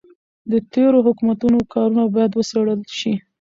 د تېرو حکومتونو کارونه باید وڅیړل شي.